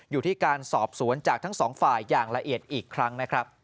อยู่ที่การสอบสวนจากทั้งสองฝ่ายอย่างละเอียดอีกครั้งนะครับ